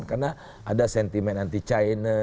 karena ada sentimen anti china